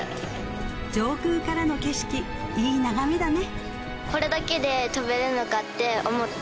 上空からの景色いい眺めだね